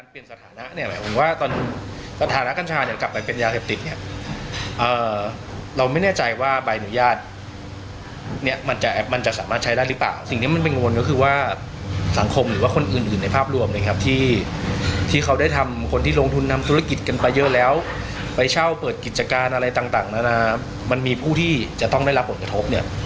ไปเช่าเปิดกิจการอะไรต่างมันมีผู้ที่จะต้องได้รับผลกระทบเนี่ย